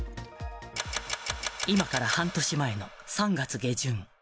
今から半年前の３月下旬。